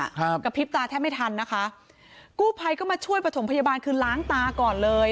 กระพริบตาแทบไม่ทันนะคะกู้ภัยก็มาช่วยประถมพยาบาลคือล้างตาก่อนเลย